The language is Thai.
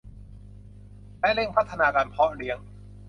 และเร่งพัฒนาการเพาะเลี้ยง